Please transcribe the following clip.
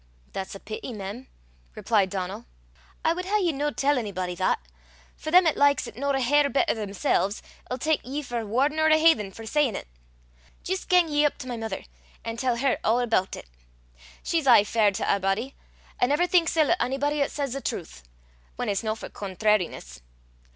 "That's a peety, mem," replied Donal. "I wad hae ye no tell onybody that; for them 'at likes 't no a hair better themsel's, 'ill tak ye for waur nor a haithen for sayin' 't. Jist gang ye up to my mither, an' tell her a' aboot it. She's aye fair to a' body, an' never thinks ill o' onybody 'at says the trowth whan it's no for contrariness.